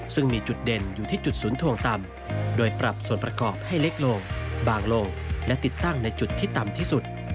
ซึ่งมีจุดเด่นอยู่ที่จุดศูนย์ทวงต่ำโดยปรับส่วนประกอบให้เล็กลงบางลงและติดตั้งในจุดที่ต่ำที่สุด